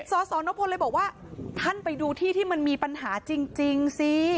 สสนพลเลยบอกว่าท่านไปดูที่ที่มันมีปัญหาจริงซิ